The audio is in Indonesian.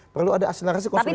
perlu ada asilarasi konsolidasi